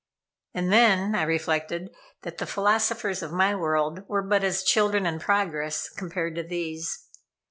And then I reflected that the philosophers of my world were but as children in progress compared to these.